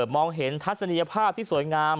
มองเห็นทัศนียภาพที่สวยงาม